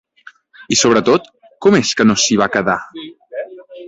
I sobretot, ¿com és que no s'hi va quedar?